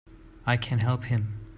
I can help him!